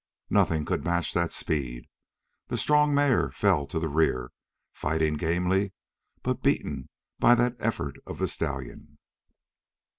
Nothing could match that speed. The strong mare fell to the rear, fighting gamely, but beaten by that effort of the stallion.